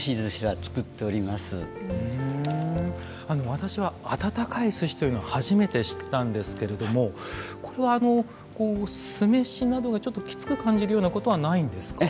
私は温かい寿司というのを初めて知ったんですけれどもこれは酢飯などがちょっときつく感じるようなことはないんですか？